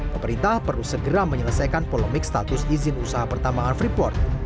pemerintah perlu segera menyelesaikan polemik status izin usaha pertambangan freeport